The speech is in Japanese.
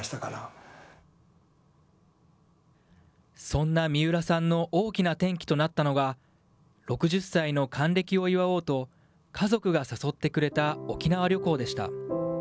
そんな三浦さんの大きな転機となったのが、６０歳の還暦を祝おうと、家族が誘ってくれた沖縄旅行でした。